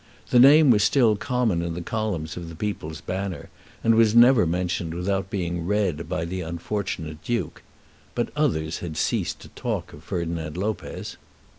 The name was still common in the columns of the "People's Banner," and was never mentioned without being read by the unfortunate Duke. But others had ceased to talk of Ferdinand Lopez.